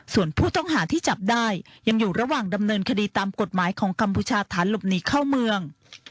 ส่วนผู้ต้องหาที่จับได้ยังอยู่ระหว่างดำเนินคดีตามกฎหมายของกัมพูชาฐานหลบหนีเข้าเมือง